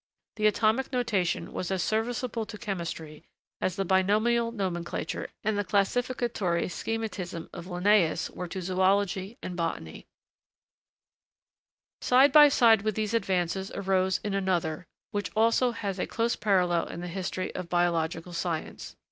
The atomic notation was as serviceable to chemistry as the binomial nomenclature and the classificatory schematism of Linnæus were to zoölogy and botany. [Sidenote: In biology a like theory of molecularstructure.] Side by side with these advances arose in another, which also has a close parallel in the history of biological science.